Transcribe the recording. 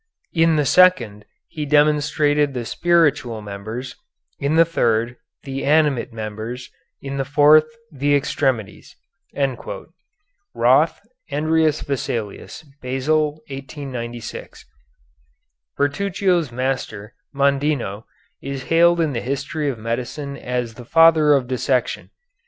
In the second, he demonstrated the spiritual members; in the third, the animate members; in the fourth, the extremities.'" (Roth, "Andreas Vesalius." Basel, 1896.) Bertruccio's master, Mondino, is hailed in the history of medicine as the father of dissection.